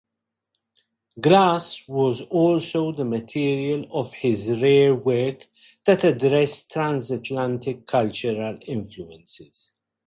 Glass was also the material of his rare work that addressed trans-Atlantic cultural influences.